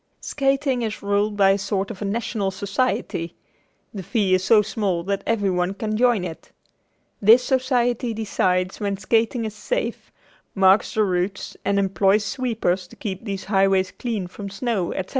Skating is ruled by a sort of a national society. The fee is so small that everyone can join it. This society decides when skating is safe, marks the routes and employs sweepers to keep these highways clear from snow, etc.